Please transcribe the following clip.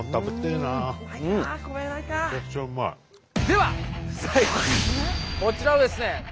では最後こちらですね